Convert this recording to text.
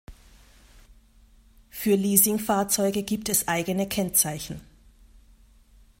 Für Leasing-Fahrzeuge gibt es eigene Kennzeichen.